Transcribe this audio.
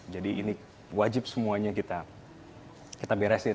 jadi ini wajib semuanya kita beresin